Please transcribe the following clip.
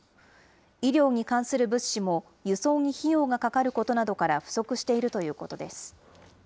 医療に関する物資も輸送に費用がかかることなどから不足しているということです。